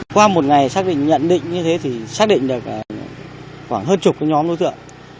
qua một ngày xác định nhận định như thế thì xác định được khoảng hơn chục nhóm đối tượng